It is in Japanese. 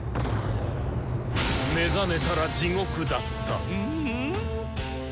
目覚めたら地獄だった。